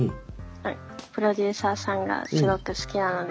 プロデューサーさんがすごく好きなので。